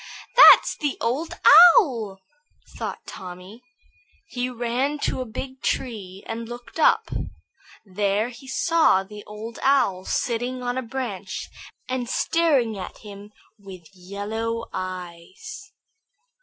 "That's the Old Owl," thought Tommy. He ran to a big tree and looked up. There he saw the Old Owl, sitting on a branch and staring at him with yellow eyes.